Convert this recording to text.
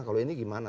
kalau ini gimana